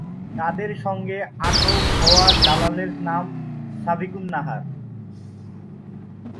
তাঁদের সঙ্গে আটক হওয়া দালালের নাম সাবিকুন্নাহার।